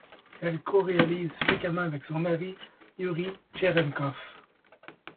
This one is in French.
Elle co-réalise fréquemment avec son mari, Youri Tcherenkov.